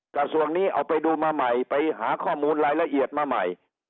กระทรวงนี้เอาไปดูมาใหม่ไปหาข้อมูลรายละเอียดมาใหม่